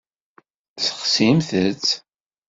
Sexsimt-t.